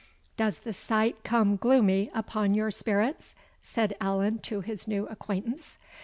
"Does the sight come gloomy upon your spirits?" said Allan to his new acquaintance.